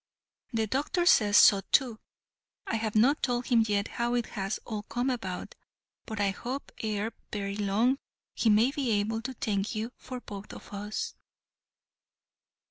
The doctor says so, too. I have not told him yet how it has all come about, but I hope ere very long he may be able to thank you for both of us."